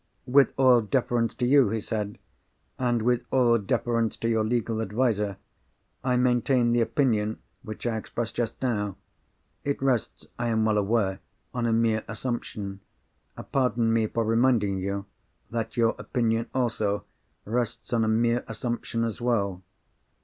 "With all deference to you," he said, "and with all deference to your legal adviser, I maintain the opinion which I expressed just now. It rests, I am well aware, on a mere assumption. Pardon me for reminding you, that your opinion also rests on a mere assumption as well."